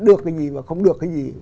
được cái gì mà không được cái gì